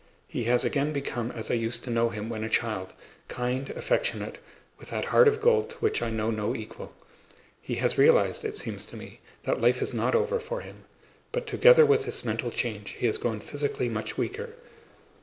He has again become as I used to know him when a child: kind, affectionate, with that heart of gold to which I know no equal. He has realized, it seems to me, that life is not over for him. But together with this mental change he has grown physically much weaker.